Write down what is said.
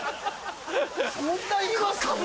そんな言います？